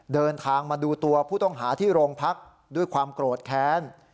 เดินทางมาดูตัวผู้ต้องหาที่โรงพักด้วยความโกรธแค้น